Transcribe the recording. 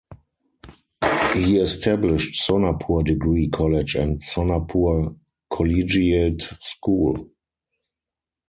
He established Sonapur Degree College and Sonapur Collegiate School.